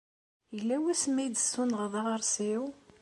Yella wasmi ay d-tessunɣeḍ aɣersiw?